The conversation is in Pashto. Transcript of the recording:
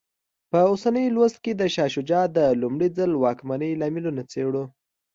په اوسني لوست کې د شاه شجاع د لومړي ځل واکمنۍ لاملونه څېړو.